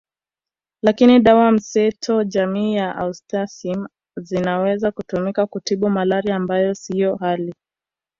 Lakini dawa mseto jamii ya Artemisin zinaweza kutumika kutibu malaria ambayo siyo kali